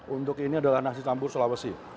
untuk ini adalah nasi campur sulawesi